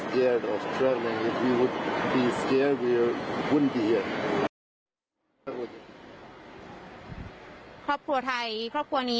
แกคิดว่าไงต้องห่วงหรือเป็นไง